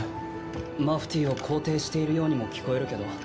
マフティーを肯定しているようにも聞こえるけど？